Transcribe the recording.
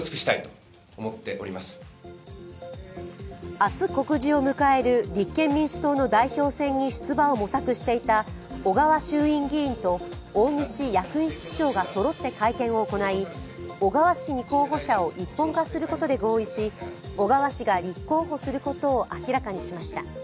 明日、告示を迎える立憲民主党の代表戦に出馬を模索していた小川衆院議員と大串役員室長がそろって会見を行い、小川氏に候補者を一本化することで合意し、小川氏が立候補することを明らかにしました。